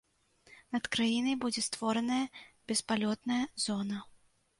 Над краінай будзе створаная беспалётная зона.